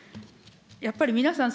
やっぱり皆さん